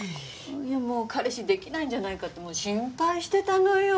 もう彼氏できないんじゃないかってもう心配してたのよ。